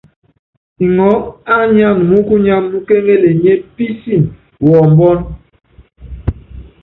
Iŋɔɔ́ á nyáan múkkunya múkéŋelenyé písin wɔɔbɔ́n.